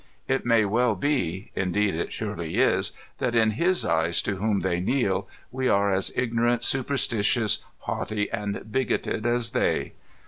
It may well be, indeed, it surely is, that in His eyes to whom they kneel we are as ignorant, superstitious, haughty, and bigoted as they.